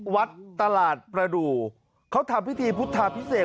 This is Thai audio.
วัดตลาดประดูกเขาทำพิธีพุทธาพิเศษ